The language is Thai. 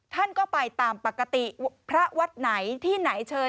ท่านก็ไปตามปกติพระวัดไหนที่ไหนเชิญ